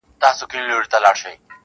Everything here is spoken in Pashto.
• تار کي د هنر پېلي سپیني ملغلري دي..